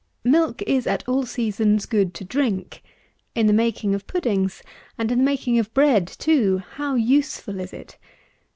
Milk is, at all seasons, good to drink. In the making of puddings, and in the making of bread too, how useful is it!